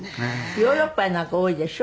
ヨーロッパやなんか多いでしょ？